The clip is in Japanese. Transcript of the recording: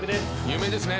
有名ですね。